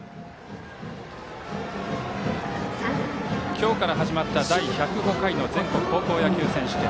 今日から始まった第１０５回の全国高校野球選手権。